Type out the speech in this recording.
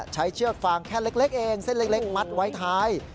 เชือกฟางแค่เล็กเองเส้นเล็กมัดไว้ท้าย